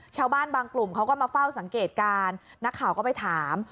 ชาวบ้านบางกลุ่มเขาก็มาเฝ้าสังเกตการณ์นักข่าวก็ไปถาม